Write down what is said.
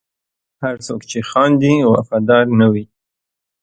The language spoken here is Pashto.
هر څوک چې خاندي، وفادار نه وي.